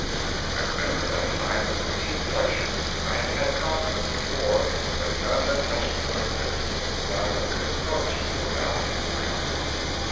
I remember that time with a deep pleasure. I had had compliments before, but none that touched me like this; none that could approach it for value in my eyes.